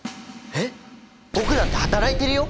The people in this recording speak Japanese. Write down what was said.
えっ！？